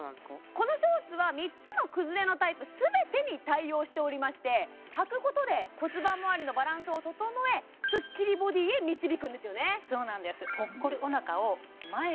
このショーツは３つの崩れのタイプ全てに対応しておりましてはくことで骨盤まわりのバランスを整えスッキリボディーへ導くんですよねそうなんです